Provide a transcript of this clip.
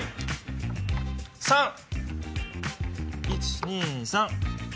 ３！１２３。